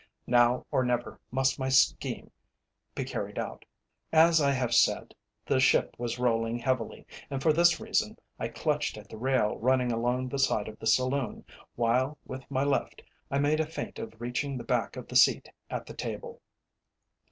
Now or never must my scheme be carried out. As I have said, the ship was rolling heavily, and for this reason I clutched at the rail running along the side of the saloon, while with my left I made a feint of reaching the back of the seat at the table.